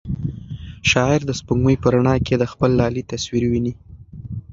شاعر د سپوږمۍ په رڼا کې د خپل لالي تصویر ویني.